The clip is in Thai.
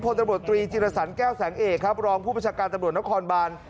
ตำรวจตรีจิรสันแก้วแสงเอกครับรองผู้ประชาการตำรวจนครบาน